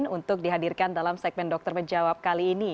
untuk dihadirkan dalam segmen dokter menjawab kali ini